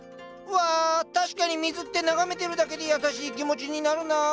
わ確かに水って眺めてるだけで優しい気持ちになるな。